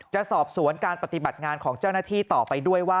จะสอบสวนการปฏิบัติงานของเจ้าหน้าที่ต่อไปด้วยว่า